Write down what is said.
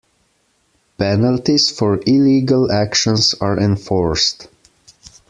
Penalties for illegal actions are enforced.